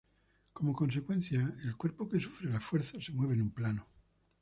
Como consecuencia, el cuerpo que sufre la fuerza se mueve en un plano.